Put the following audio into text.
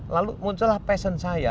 lalu muncullah passion saya